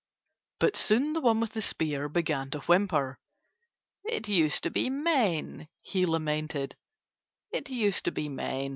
But soon the one with the spear began to whimper. "It used to be men," he lamented. "It used to be men."